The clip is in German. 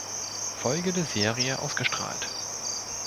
Folge der Serie ausgestrahlt.